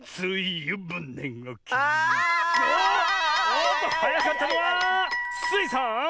おっとはやかったのはスイさん！